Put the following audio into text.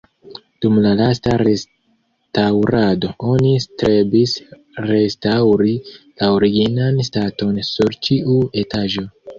Dum la lasta restaŭrado oni strebis restaŭri la originan staton sur ĉiu etaĝo.